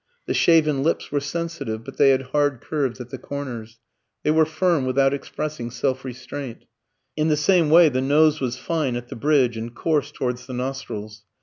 The shaven lips were sensitive, but they had hard curves at the corners; they were firm, without expressing self restraint. In the same way the nose was fine at the bridge, and coarse towards the nostrils.